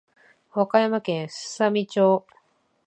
和歌山県すさみ町